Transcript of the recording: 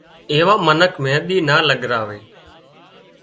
ايوان منک مينۮِي نا لڳراوي